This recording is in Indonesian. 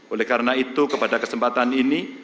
oleh karena itu kepada kesempatan ini